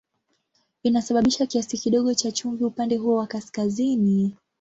Inasababisha kiasi kidogo cha chumvi upande huo wa kaskazini.